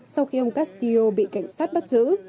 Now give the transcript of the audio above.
sau khi ông castillo bị cảnh sát bắt giữ